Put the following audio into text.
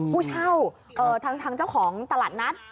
ผู้เช่าทางเจ้าของตลาดนัด